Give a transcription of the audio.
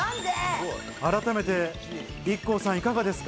改めてＩＫＫＯさん、いかがですか？